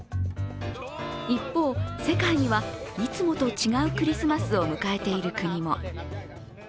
一方、世界にはいつもと違うクリスマスを迎えている国も。